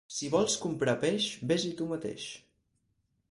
Si vols comprar peix, ves-hi tu mateix.